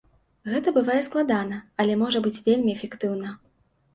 Гэта бывае складана, але можа быць вельмі эфектыўна.